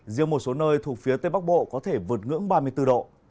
riêng một số nơi thuộc phía tây bắc bộ có thể vượt ngưỡng ba mươi bốn độ